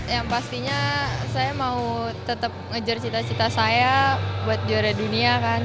yang pastinya saya mau tetap ngejar cita cita saya buat juara dunia kan